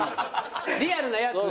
リアルなやつ。